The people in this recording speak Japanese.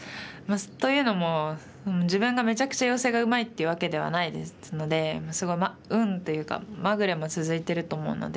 というのも自分がめちゃくちゃヨセがうまいっていうわけではないですのですごい運というかまぐれも続いてると思うので。